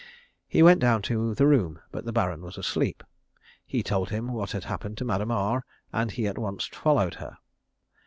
He went down to the room, but the Baron was asleep. He told him what had happened to Madame R, and he at once followed her.